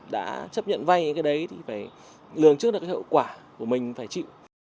đã chấp nhận vay cái đấy thì phải lường trước là cái hậu quả của mình phải chịu